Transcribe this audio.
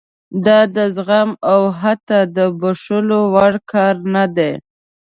دا د زغم او حتی د بښلو وړ کار نه دی.